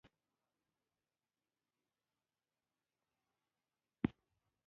تر دې چې ګواتیلا لومړی ځل د ولسواکۍ په لور ګامونه واخیستل.